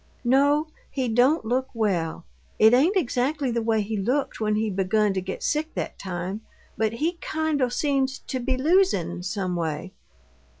"No. He don't look well. It ain't exactly the way he looked when he begun to get sick that time, but he kind o' seems to be losin', some way."